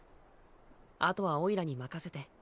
あとはおいらに任せて。